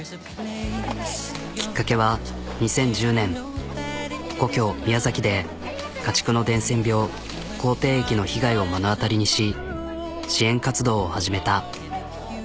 きっかけは２０１０年故郷宮崎で家畜の伝染病口てい疫の被害を目の当たりにし支援活動を始めた。